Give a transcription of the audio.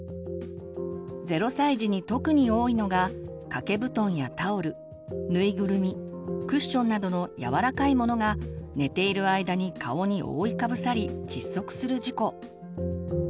０歳児に特に多いのが掛け布団やタオルぬいぐるみクッションなどのやわらかいものが寝ている間に顔に覆いかぶさり窒息する事故。